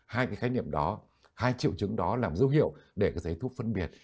hai cái khái niệm đó hai triệu chứng đó làm dấu hiệu để cái giấy thuốc phân biệt